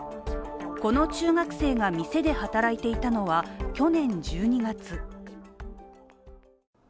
この中学生が店で働いていたのは去年１２月。